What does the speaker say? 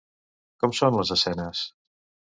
Com són les escenes?